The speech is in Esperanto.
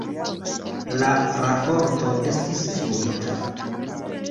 La raporto estis finita.